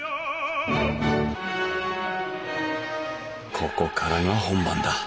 ここからが本番だ。